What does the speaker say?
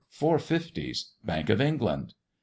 Four fifties. Bank of England."